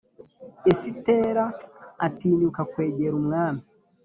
esitera atinyuka kwegera umwami